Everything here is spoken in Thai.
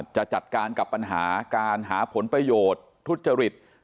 จะจัดการกับปัญหาการหาผลประโยชน์ทุจริต